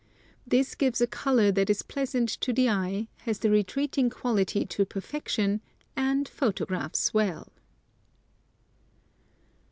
This gives a color that is pleasant to the eye, has the retreating quality to perfection, and photographs well.